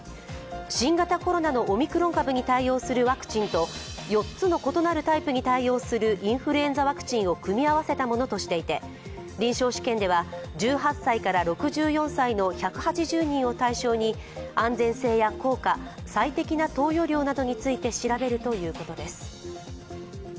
新型コロナのオミクロン株に対応するワクチンと４つの異なるタイプに対応するインフルエンザワクチンを組み合わせたものとしていて臨床試験では１８歳から６４歳の１８０人を対象に安全性や効果、最適な投与量などについて調べるということです。